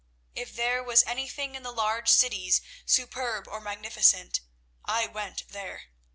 If there was anything in the large cities superb or magnificent, I went there.